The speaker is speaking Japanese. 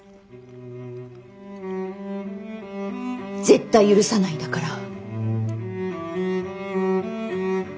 絶対許さないんだから。